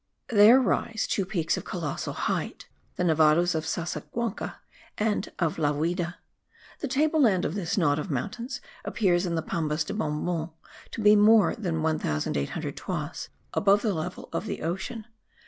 There rise two peaks of colossal height, the Nevados of Sasaguanca and of La Viuda. The table land of this knot of mountains appears in the Pambas de Bombon to be more than 1800 toises above the level of the ocean.